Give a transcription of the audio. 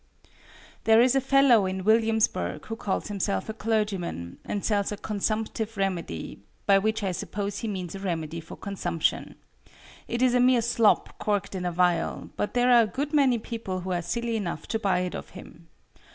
There is a fellow in Williamsburg who calls himself a clergyman, and sells a "consumptive remedy," by which I suppose he means a remedy for consumption. It is a mere slop corked in a vial; but there are a good many people who are silly enough to buy it of him.